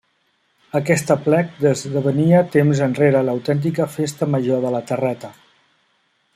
Aquest aplec esdevenia temps enrere l'autèntica Festa Major de la Terreta.